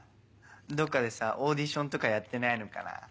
どっかでさオーディションとかやってないのかな？